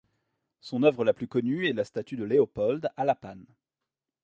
Son œuvre la plus connue est la statue de Léopold à La Panne.